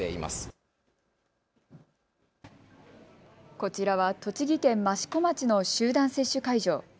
こちらは栃木県益子町の集団接種会場。